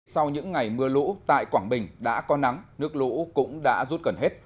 sau những ngày mưa lũ tại quảng bình đã có nắng nước lũ cũng đã rút gần hết